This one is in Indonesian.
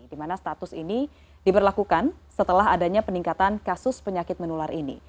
di mana status ini diberlakukan setelah adanya peningkatan kasus penyakit menular ini